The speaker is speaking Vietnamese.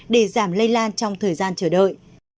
để giảm lây lan trong thời gian chờ đợi